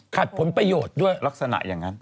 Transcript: ผลประโยชน์ด้วยลักษณะอย่างนั้น